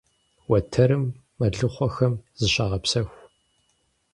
Уэтэрым мэлыхъуэхэм зыщагъэпсэху.